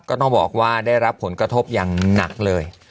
ก็ต้องบอกว่าได้รับผลกระทบอย่างหนักเลย